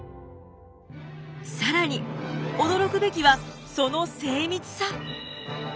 更に驚くべきはその精密さ。